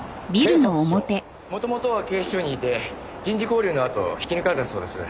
元々は警視庁にいて人事交流のあと引き抜かれたそうです。